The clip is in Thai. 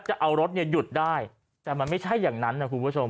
จะเอารถเนี่ยหยุดได้แต่มันไม่ใช่อย่างนั้นนะคุณผู้ชม